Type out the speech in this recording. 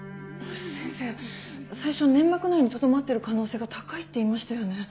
先生最初粘膜内にとどまっている可能性が高いって言いましたよね？